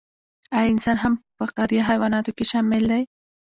ایا انسان هم په فقاریه حیواناتو کې شامل دی